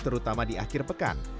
terutama di akhir pekan